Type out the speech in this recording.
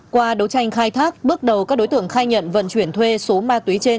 qua đấu tranh khai thác bước đầu các đối tượng khai nhận vận chuyển thuê số ma túy trên